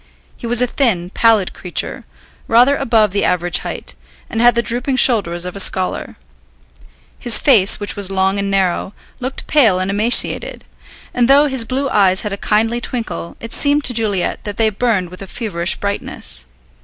He was a thin, pallid creature, rather above the average height, and had the drooping shoulders of a scholar. His face, which was long and narrow, looked pale and emaciated, and though his blue eyes had a kindly twinkle it seemed to Juliet that they burned with a feverish brightness.